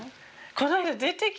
この間出てきたんよ